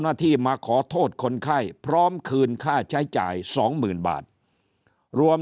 หน้าที่มาขอโทษคนไข้พร้อมคืนค่าใช้จ่าย๒๐๐๐๐บาทรวม